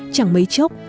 chẳng mấy chốc